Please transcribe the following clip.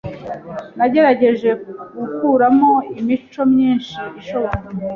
Nagerageje gukuramo imico myinshi ishoboka.